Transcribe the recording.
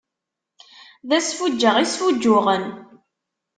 D asfuǧǧeɣ i sfuǧǧuɣen.